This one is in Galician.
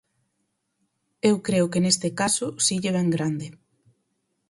Eu creo que neste caso si lle vén grande.